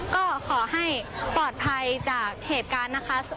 ก็ขอให้ปลอดภัยจากเหตุการณ์นะคะ